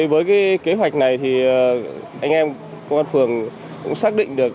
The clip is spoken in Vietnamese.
với kế hoạch này thì anh em công an phường cũng xác định được